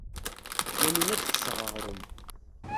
Yamina ad d-tseɣ aɣrum.